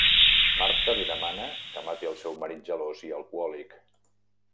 Marta li demana que mati el seu marit gelós i alcohòlic.